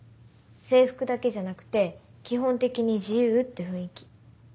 制服だけじゃなくて基本的に自由って雰囲気。